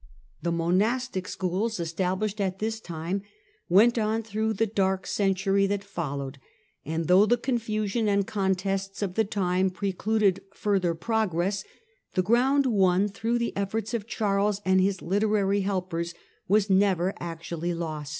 The monastic schools established at this time went on through the dark century that followed, and though the confusion and contests of the time precluded further progress, the ground won through the efforts of Charles and his literary helpers was never actually lost.